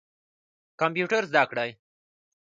کمپیوټر زده کړئ